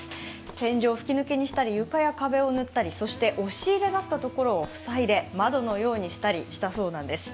天井を吹き抜けにしたり、床や壁を塗ったり、そして押し入れだったところを塞いで窓のようにしたりしたそうなんです。